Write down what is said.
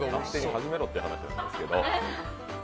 始めろって話なんですけど。